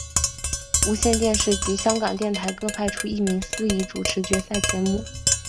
无线电视及香港电台各派出一名司仪主持决赛节目。